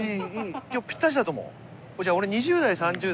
今日ぴったしだと思う。